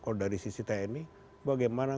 kalau dari sisi tni bagaimana